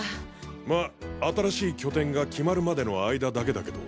まあ新しい拠点が決まるまでの間だけだけど。